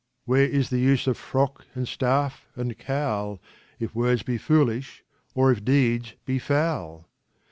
Where is the use of frock and staff and cowl If words be foolish or if deeds be foul?